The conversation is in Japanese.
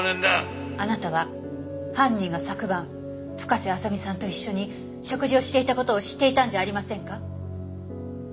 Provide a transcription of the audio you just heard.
あなたは犯人が昨晩深瀬麻未さんと一緒に食事をしていた事を知っていたんじゃありませんか？